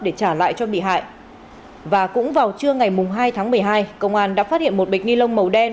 để trả lại cho bị hại và cũng vào trưa ngày hai tháng một mươi hai công an đã phát hiện một bịch ni lông màu đen